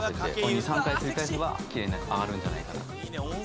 ２３回繰り返せばキレイに上がるんじゃないかと。